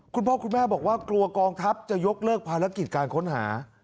คุณพ่อคุณแม่บอกว่ากลัวกองทัพจะยกเลิกภารกิจการค้นหา